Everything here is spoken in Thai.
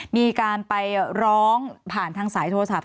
มีการไปร้องผ่านทางสายโทรศัพท์